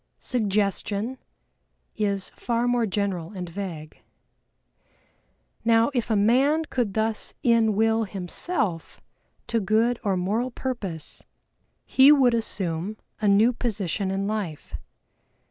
"Suggestion" is far more general and vague. Now if a man could thus in will himself to good or moral purpose, he would assume a new position in life.